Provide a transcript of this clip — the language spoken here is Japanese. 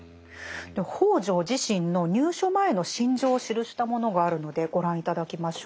北條自身の入所前の心情を記したものがあるのでご覧頂きましょう。